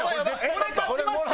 これ勝ちました。